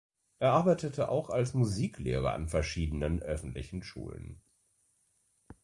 Er arbeitete auch als Musiklehrer an verschiedenen öffentlichen Schulen.